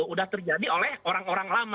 sudah terjadi oleh orang orang lama